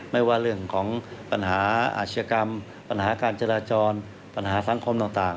ไม่ว่าเรื่องของปัญหาอาชกรรมปัญหาการจราจรปัญหาสังคมต่าง